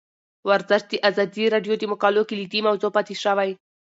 ورزش د ازادي راډیو د مقالو کلیدي موضوع پاتې شوی.